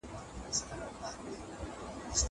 زه مخکي سبزېجات تيار کړي وو.